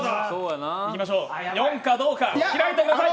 ４かどうか、開いてください。